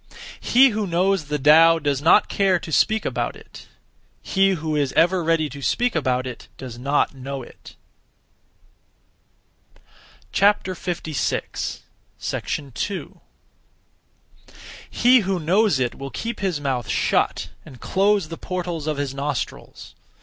He who knows (the Tao) does not (care to) speak (about it); he who is (ever ready to) speak about it does not know it. 2. He (who knows it) will keep his mouth shut and close the portals (of his nostrils).